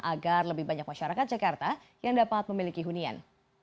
agar lebih banyak masyarakat jakarta yang dapat memiliki hunian